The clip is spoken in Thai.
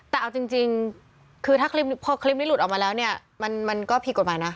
แต่เอาจริงคือถ้าพอคลิปนี้หลุดออกมาแล้วเนี่ยมันก็ผิดกฎหมายนะ